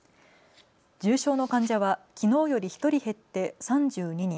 重症の患者はきのうより１人減って３２人。